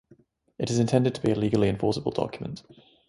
It is intended to be a legally enforceable document.